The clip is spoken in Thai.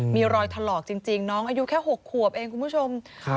มีรอยถลอกจริงน้องอายุแค่๖ขวบเองคุณผู้ชม